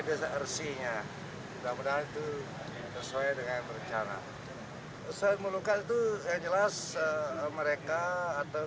desa rc nya mudah mudahan itu sesuai dengan rencana saya meluka itu yang jelas mereka atau